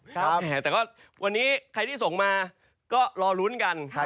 แต่ก็วันนี้ใครที่ส่งมาก็รอลุ้นกัน